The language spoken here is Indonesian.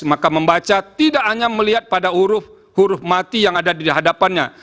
maka membaca tidak hanya melihat pada huruf huruf mati yang ada di hadapannya